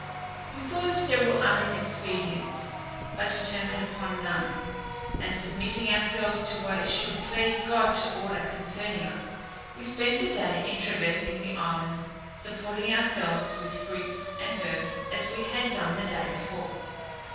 We thought of several other expedients, but determined upon none; and submitting ourselves to what it should please God to order concerning us, we spent the day in traversing the island, supporting ourselves with fruits and herbs as we had done the day before.